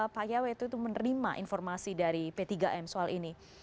pak ya waktu itu menerima informasi dari p tiga m soal ini